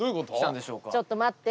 ちょっと待って。